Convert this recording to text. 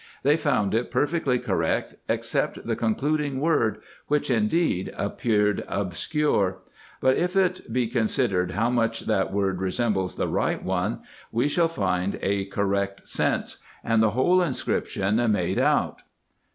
They found it perfectly correct, except the concluding word, which indeed appeared obscure ; but if it be considered how much that word resembles the right one, we shall find a correct sense, and the whole inscription made out.